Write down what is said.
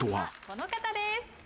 この方です。